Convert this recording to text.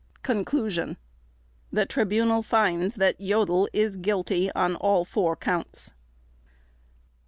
Conclusion The Tribunal finds that Jodl is guilty on all four Counts.